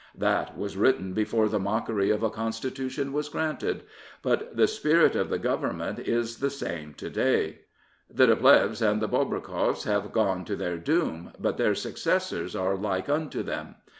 That was written before the mockery of a Constitution was granted; but the spirit 265 Prophets, Priests, and Kings of the Government is the same to day. The de Plehves and the Bobrikoffs have gone to their doom, but their successors are like unto them.